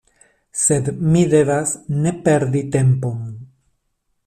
Sed mi devas ne perdi tempon.